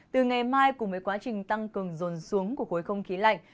từ ngày mai cùng với quá trình tăng cường dồn xuống của khối không khí lạnh